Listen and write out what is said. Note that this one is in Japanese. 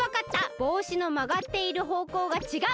ぼうしのまがっているほうこうがちがう。